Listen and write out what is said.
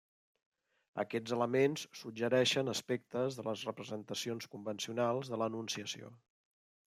Aquests elements suggereixen aspectes de les representacions convencionals de l'Anunciació.